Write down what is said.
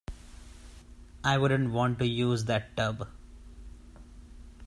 I wouldn't want to use that tub.